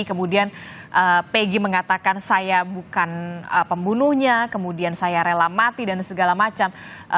kemudian peggy mengatakan saya bukan pembunuhnya kemudian saya rela mati dan segala macam